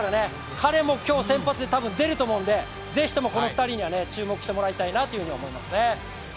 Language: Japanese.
彼も今日先発で多分出ると思うので、ぜひともこの２人は注目してもらいたいなと思いますね。